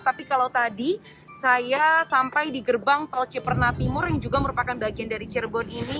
tapi kalau tadi saya sampai di gerbang tol ciperna timur yang juga merupakan bagian dari cirebon ini